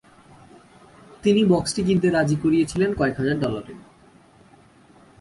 তিনি বক্সটি কিনতে রাজি করিয়েছিলেন কয়েক হাজার ডলারে।